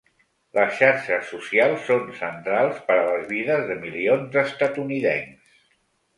Les xarxes socials són centrals per a les vides de milions d’estatunidencs.